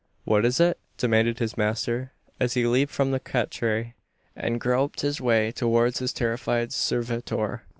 "What is it?" demanded his master, as he leaped from the catre, and groped his way towards his terrified servitor.